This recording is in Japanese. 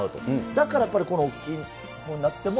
だからやっぱりこの大きくなっても。